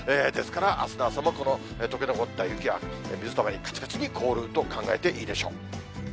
ですから、あすの朝もこのとけ残った雪や水たまり、かちかちに凍ると考えていいでしょう。